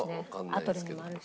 アトレにもあるし。